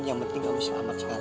yang penting kamu selamat sekali